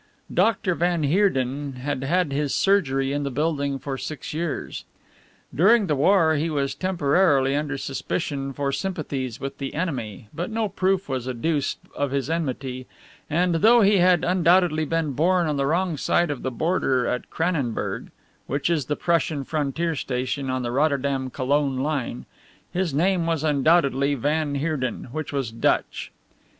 Dr. van Heerden had had his surgery in the building for six years. During the war he was temporarily under suspicion for sympathies with the enemy, but no proof was adduced of his enmity and, though he had undoubtedly been born on the wrong side of the Border at Cranenburg, which is the Prussian frontier station on the Rotterdam Cologne line, his name was undoubtedly van Heerden, which was Dutch.